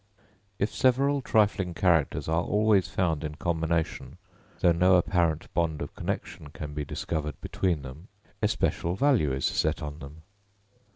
If several trifling characters are always found in combination, though no apparent bond of connexion can be discovered between them, especial value is set on them.